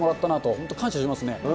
本当、感謝しますね。